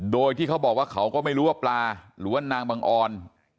โดยที่เขาบอกว่าเขาก็ไม่รู้ว่าปลาหรือว่านางบังออน